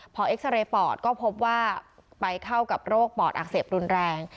พอเอ็กซาเรย์ปอดก็พบว่าไปเข้ากับโรคปอดอักเสบรุนแรง